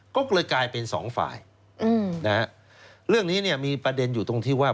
ก็เลยกลายเป็นสองฝ่ายเรื่องนี้มีประเด็นอยู่ตรงที่ว่า